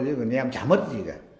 thế còn nhà em chả mất gì cả